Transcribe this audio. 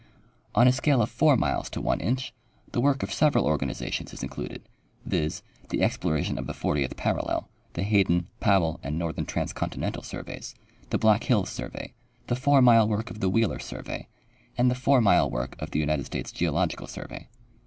On a scale of 4 miles to one inch, the work of several organiza tions is included, .viz, the exploration of the 40th parallel, the Hayden, Powell and Northern Transcontinental surveys, the Black hills survey, the 4 mile work of the AVheeler survey, and the 4 mile work of the United States Geological survey.